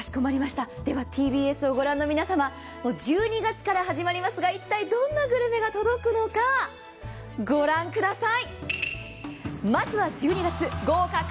ではＴＢＳを御覧の皆様、１２月から始まりますが、一体どんなグルメが届くのか御覧ください。